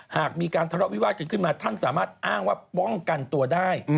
หากมีการทะเลาะวิวาสกันขึ้นมาท่านสามารถอ้างว่าป้องกันตัวได้